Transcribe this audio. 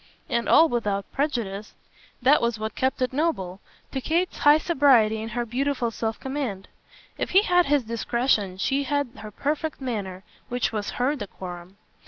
And all without prejudice that was what kept it noble to Kate's high sobriety and her beautiful self command. If he had his discretion she had her perfect manner, which was HER decorum.